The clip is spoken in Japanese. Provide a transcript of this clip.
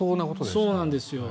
そうなんですよ。